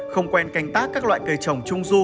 không quen canh tác các loại cây trồng trung du